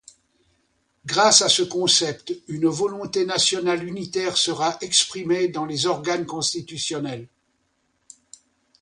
Grâce à ce concept, une volonté nationale unitaire sera exprimée dans les organes constitutionnels.